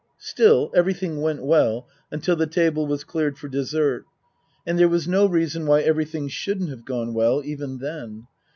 Still, everything went well until the table was cleared for dessert ; and there was no reason why everything shouldn't have gone well even then.